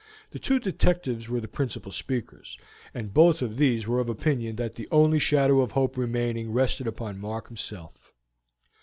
The two detectives were the principal speakers, and both of these were of opinion that the only shadow of hope remaining rested upon Mark himself.